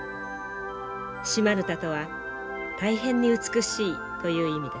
シ・マヌタとは「大変に美しい」という意味です。